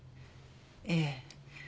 ええ。